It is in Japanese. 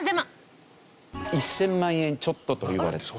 １０００万円ちょっとといわれている。